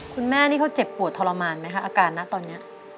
คุณแม่นี่เขาเจ็บปวดทรมานไหมคะอาการนะตอนนี้